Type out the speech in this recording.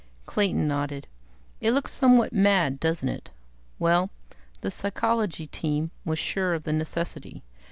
Clayton nodded. "It looks somewhat mad, doesn't it? Well ... the Psychology Team was sure of the necessity.